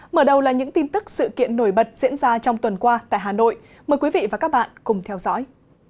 mở đầu là những tin tức sự kiện nổi bật diễn ra trong tuần qua tại hà nội mời quý vị và các bạn cùng theo dõi